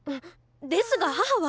ですが母は！